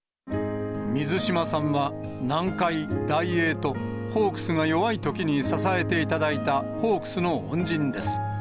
水島さんは、南海、ダイエーとホークスが弱いときに支えていただいたホークスの恩人です。